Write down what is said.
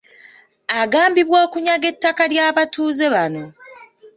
Agambibwa okunyaga ettaka ly’abatuuze bano.